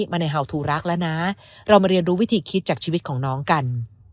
มาในเฮาทูรักแล้วนะเรามาเรียนรู้วิธีคิดจากชีวิตของน้องกัน